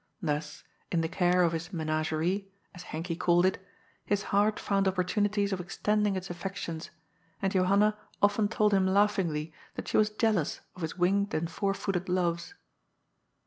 Thus, in the care of his *' menagerie/' as Henkie called it, his heart found opportunities of extending its affections, and Johanna often told him laughingly that she was jealous of his winged and four footed loves.